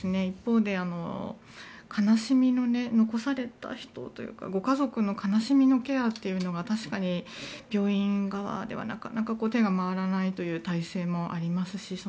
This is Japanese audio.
一方で悲しみの残された人というかご家族の悲しみのケアというのが確かに病院側ではなかなか手が回らないという体制もありますし